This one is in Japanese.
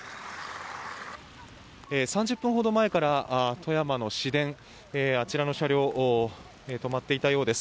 ３０分ほど前から、富山の市電あちらの車両止まっていたようです。